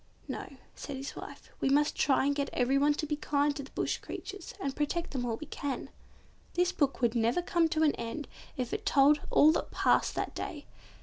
"No," said his wife, "we must try and get everyone to be kind to the bush creatures, and protect them all we can." This book would never come to an end if it told all that passed that day.